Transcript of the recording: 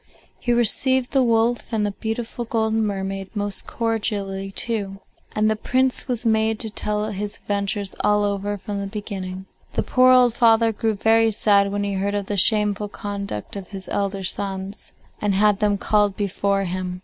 He received the wolf and the beautiful golden mermaid most cordially too, and the Prince was made to tell his adventures all over from the beginning. The poor old father grew very sad when he heard of the shameful conduct of his elder sons, and had them called before him.